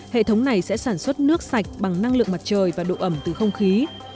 hệ thống này sẽ sản xuất nước sạch bằng năng lượng mặt trời và độ ẩm từ không khí